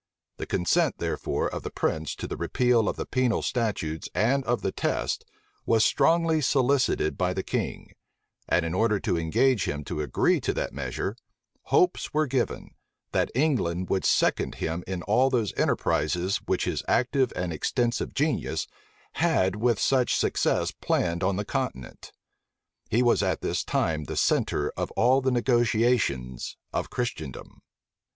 The consent, therefore, of the prince to the repeal of the penal statutes and of the test was strongly solicited by the king; and in order to engage him to agree to that measure, hopes were given,[*] that England would second him in all those enterprises which his active and extensive genius had with such success planned on the continent. He was at this time the centre of all the negotiations of Christendom.